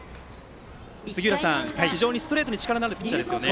杉浦さん、非常にストレートに力のあるピッチャーですよね。